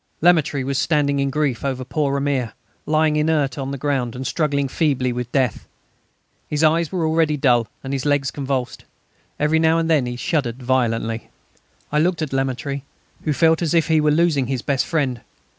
Lemaître was standing in great grief over poor "Ramier," lying inert on the ground and struggling feebly with death. His eyes were already dull and his legs convulsed. Every now and then he shuddered violently. I looked at Lemaître, who felt as if he were losing his best friend.